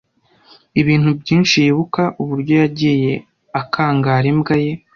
ibintu byinshi Yibuka uburyo yagiye akangara imbwa ye,